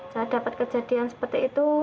saya dapat kejadian seperti itu